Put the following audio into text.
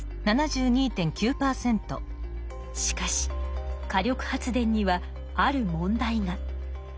しかし火力発電にはある問題が。